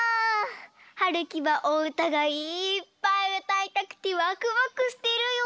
はるきはおうたがいっぱいうたいたくてワクワクしてるよ。